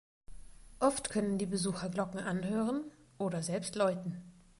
Oft können die Besucher Glocken anhören oder selbst läuten.